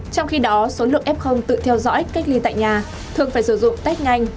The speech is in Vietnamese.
trong khi đó số lượng f tự theo dõi cách ly tại nhà thường phải sử dụng test nhanh